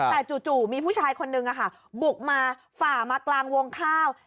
แต่จู่มีผู้ชายคนนึงบุกมาฝ่ามากลางวงข้าว